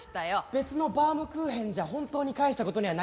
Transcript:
別のバウムクーヘンじゃ本当に返した事にはなりません！